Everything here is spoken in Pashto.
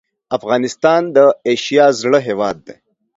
افغانستان د اسیا زړه هیواد ده